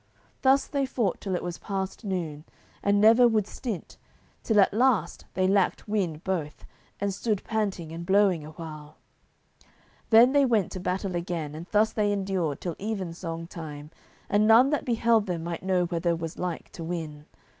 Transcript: Thus they fought till it was past noon, and never would stint, till at last they lacked wind both, and stood panting and blowing a while. Then they went to battle again, and thus they endured till even song time, and none that beheld them might know whether was like to win.